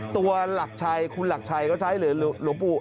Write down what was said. หลักชัยคุณหลักชัยเขาใช้หรือหลวงปู่